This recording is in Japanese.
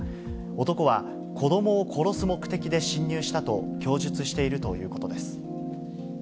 男は子どもを殺す目的で侵入したと供述しているということです。